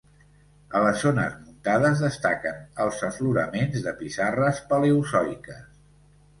A les zones muntades destaquen els afloraments de pissarres paleozoiques.